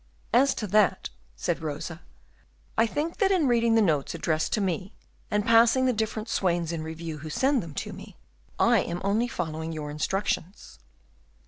"As to that," said Rosa, "I think that in reading the notes addressed to me, and passing the different swains in review who send them to me, I am only following your instructions."